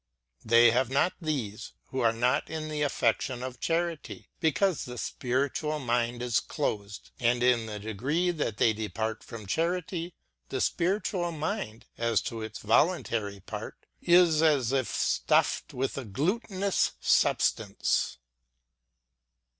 They have not these who are not in the affection of charity, because the spiritual mind is closed ; and in the degree that they depart from charity the spiritual mind, as to its vol untary part, is as if stuffed with a glutinous substance.